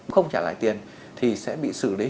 không trả lại tiền thì sẽ bị xử lý hình sự